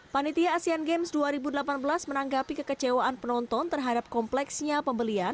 panitia asean games dua ribu delapan belas menanggapi kekecewaan penonton terhadap kompleksnya pembelian